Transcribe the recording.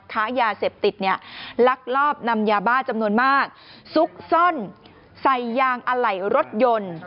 ค้ายาเสพติดเนี่ยลักลอบนำยาบ้าจำนวนมากซุกซ่อนใส่ยางอะไหล่รถยนต์